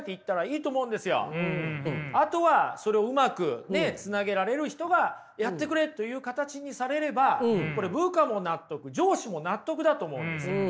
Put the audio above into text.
あとはそれをうまくつなげられる人がやってくれという形にされればこれ部下も納得上司も納得だと思うんですよ。